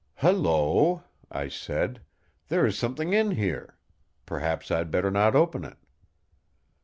"Hullo!" I said. "There is something in here. Perhaps I had better not open it."